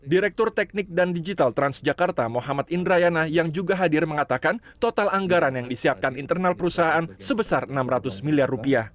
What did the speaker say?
direktur teknik dan digital transjakarta muhammad indrayana yang juga hadir mengatakan total anggaran yang disiapkan internal perusahaan sebesar rp enam ratus miliar